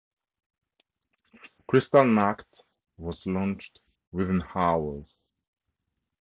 "Kristallnacht" was launched within hours.